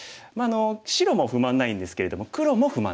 白も不満ないんですけれども黒も不満ないです。